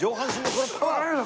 これ。